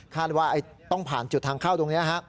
ว่าต้องผ่านจุดทางเข้าตรงนี้